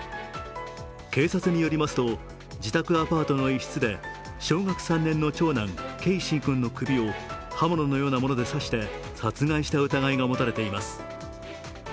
警察によりますと、自宅アパートの一室で、小学３年の長男・継真君の首を刃物のようなもので刺して殺害した疑いが持たれています。